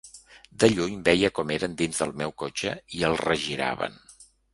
De lluny, veia com eren dins del meu cotxe i el regiraven.